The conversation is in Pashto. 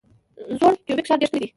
زوړ کیوبیک ښار ډیر ښکلی دی.